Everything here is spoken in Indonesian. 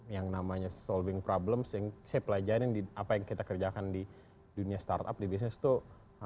yang namanya solving problems yang saya pelajarin apa yang kita kerjakan di dunia startup di bisnis tuh